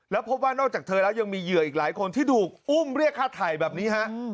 แล้วพบว่านอกจากเธอแล้วยังมีเหยื่ออีกหลายคนที่ถูกอุ้มเรียกฆ่าไถ่แบบนี้ฮะ